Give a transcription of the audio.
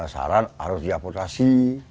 saran harus diapotasi